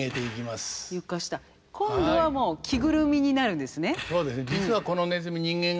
今度はもう着ぐるみになるんですね。